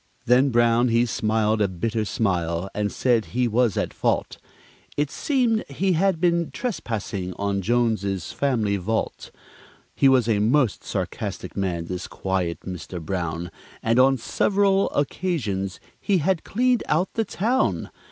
Then Brown he smiled a bitter smile and said he was at fault, It seemed he had been trespassing on Jones's family vault; He was a most sarcastic man, this quiet Mr. Brown, And on several occasions he had cleaned out the town.